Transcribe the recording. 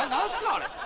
あれ。